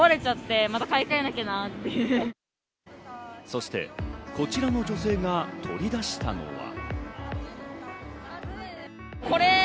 そしてこちらの女性が取り出したのは。